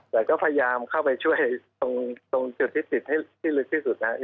แต่ก็พยายามเข้าไปช่วยตรงจุดที่ติดให้ที่ลึกที่สุดนะครับ